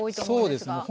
そうですね